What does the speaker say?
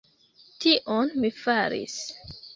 Tion mi faris!